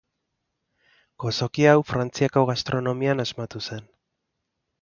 Gozoki hau, Frantziako gastronomian asmatu zen.